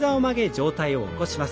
上体を起こします。